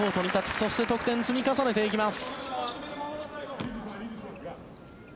そして得点を積み重ねていきます。